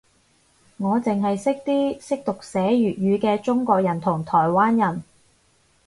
我剩係識啲識讀寫粵語嘅中國人同台灣人